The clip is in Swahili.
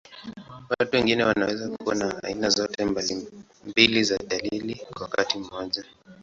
Watu wengine wanaweza kuwa na aina zote mbili za dalili kwa wakati mmoja.